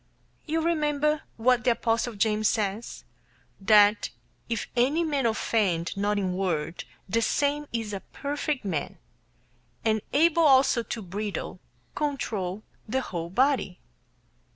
You remember what the apostle James says, that "if any man offend not in word, the same is a perfect man, and able also to bridle [control] the whole body."